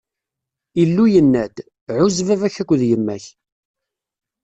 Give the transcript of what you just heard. Illu yenna-d: Ɛuzz baba-k akked yemma-k.